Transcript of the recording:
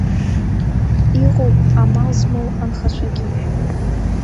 Иҟоуп амал змоу анхацәагьы.